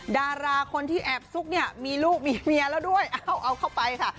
ดาราคนที่แอบซุกเนี่ยมีลูกมีเมียแล้วด้วยเอาเข้าไปค่ะ